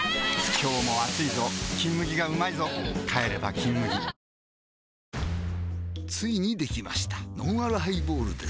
今日も暑いぞ「金麦」がうまいぞ帰れば「金麦」ついにできましたのんあるハイボールです